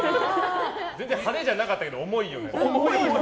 全然、派手じゃなかったけど重いよね。